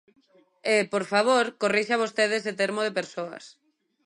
E, por favor, corrixa vostede ese termo de persoas.